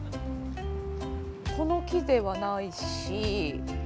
この木ではないし。